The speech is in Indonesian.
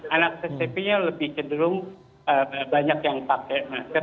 anak scp nya lebih cenderung banyak yang pakai masker